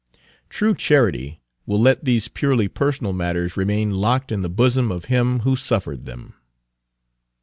True charity will let these purely personal matters remain locked in the bosom of him who suffered them.